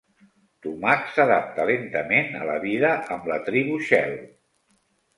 Tumak s'adapta lentament a la vida amb la Tribu Shell.